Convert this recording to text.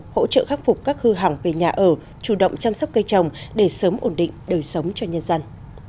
hỗ trợ khắc phục các hư hỏng về nhà ở chủ động chăm sóc cây trồng để sớm ổn định đời sống cho nhân dân